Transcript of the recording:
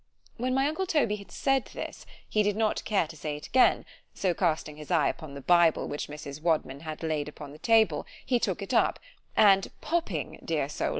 When my uncle Toby had said this, he did not care to say it again; so casting his eye upon the Bible which Mrs. Wadman had laid upon the table, he took it up; and popping, dear soul!